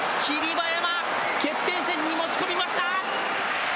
馬山決定戦に持ち込みました！